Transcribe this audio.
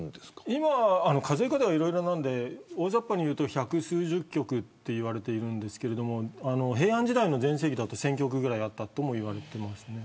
今は数え方がいろいろなので大ざっぱに言うと百数十曲といわれているんですけれど平安時代の全盛期だと１０００曲ぐらいあったとも言われています。